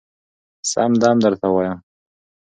سم دم درته وايم